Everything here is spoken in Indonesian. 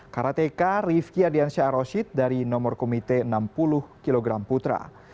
karateka rifki adiansyah aroshid dari nomor komite enam puluh kg putra